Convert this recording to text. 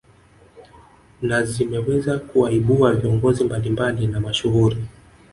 Na zimeweza kuwaibua viongozi mablimbali na mashuhuri